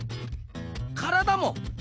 体も？